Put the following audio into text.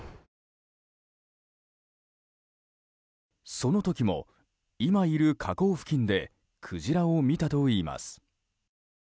その時も今いる河口付近でクジラを見たといいます。